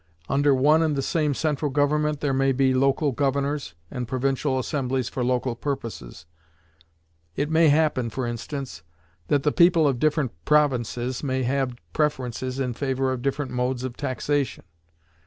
Under one and the same central government there may be local governors, and provincial assemblies for local purposes. It may happen, for instance, that the people of different provinces may have preferences in favor of different modes of taxation.